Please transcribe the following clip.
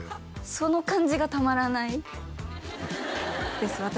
その感じがたまらないです